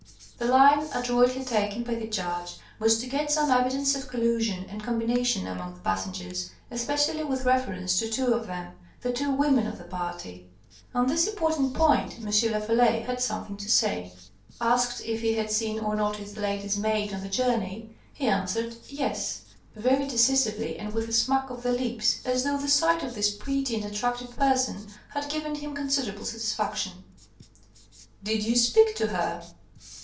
The line adroitly taken by the Judge was to get some evidence of collusion and combination among the passengers, especially with reference to two of them, the two women of the party. On this important point M. Lafolay had something to say. Asked if he had seen or noticed the lady's maid on the journey, he answered "yes" very decisively and with a smack of the lips, as though the sight of this pretty and attractive person had given him considerable satisfaction. "Did you speak to her?"